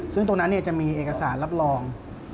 ซึ่งตรงนั้นจะมีเอกสารรับรอง